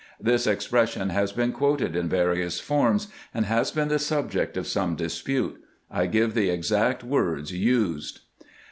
(This expression has been quoted in various forms, and has been the subject of some dispute. I give the exact words used.)